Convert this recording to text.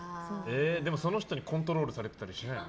でもその人にコントロールされてたりしないの？